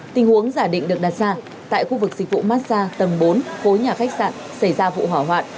tình huống giả định được đặt ra tại khu vực dịch vụ massage tầng bốn khối nhà khách sạn xảy ra vụ hỏa hoạn